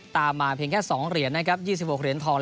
ตามมาเพียงแค่๒เหรียญนะครับ๒๖เหรียญทอง